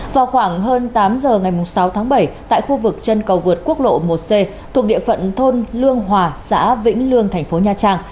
vào khoảng hơn tám giờ ngày sáu tháng bảy tại khu vực chân cầu vượt quốc lộ một c thuộc địa phận thôn lương hòa xã vĩnh lương thành phố nha trang